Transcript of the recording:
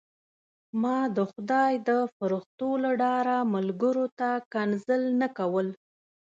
ما د خدای د فرښتو له ډاره ملګرو ته کنځل نه کول.